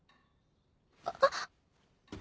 あっ。